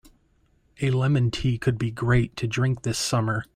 A lemon tea could be great to drink this summer.